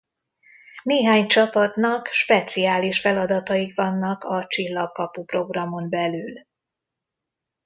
Néhány csapatnak speciális feladataik vannak a Csillagkapu Programon belül.